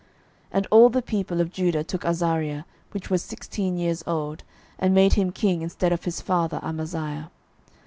12:014:021 And all the people of Judah took Azariah, which was sixteen years old, and made him king instead of his father Amaziah.